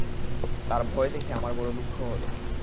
তার ভয় দেখে আমার বড়ো দুঃখ হল।